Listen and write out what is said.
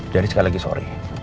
jadi sekali lagi sorry